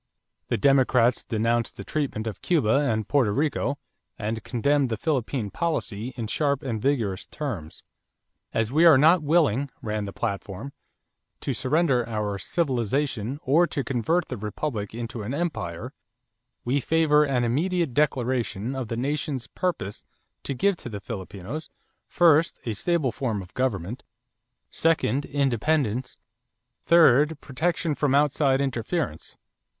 The Democrats denounced the treatment of Cuba and Porto Rico and condemned the Philippine policy in sharp and vigorous terms. "As we are not willing," ran the platform, "to surrender our civilization or to convert the Republic into an empire, we favor an immediate declaration of the Nation's purpose to give to the Filipinos, first, a stable form of government; second, independence; third, protection from outside interference....